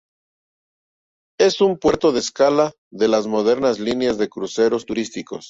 Es un puerto de escala de las modernas líneas de cruceros turísticos.